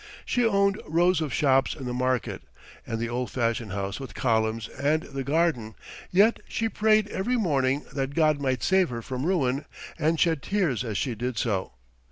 She owned rows of shops in the market, and the old fashioned house with columns and the garden, yet she prayed every morning that God might save her from ruin and shed tears as she did so.